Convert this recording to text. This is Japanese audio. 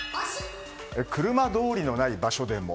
車通りのない場所でも。